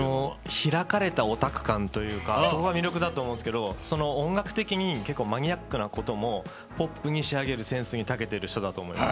開かれたオタク感というかそこが魅力と思うんですけど音楽的にもマニアックなこともポップなセンスに仕上げる能力にたけてる人だと思います。